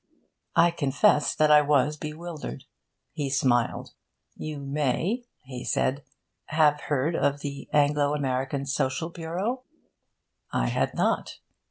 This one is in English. I confessed that I was bewildered. He smiled. 'You may,' he said, 'have heard of the Anglo American Social Bureau?' I had not.